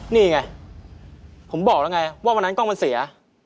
นี่ไงผมบอกแล้วไงว่าวันนั้นกล้องมันเสีย